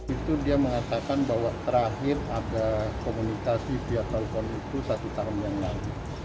itu dia mengatakan bahwa terakhir ada komunikasi via telepon itu satu tahun yang lalu